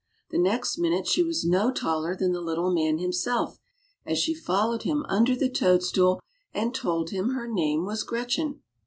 The next minute she was no taller than the Little Man himself, as she followed him under the toadstool and told him her name was Gretchen.